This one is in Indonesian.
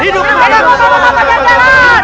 hidup raden hidup raden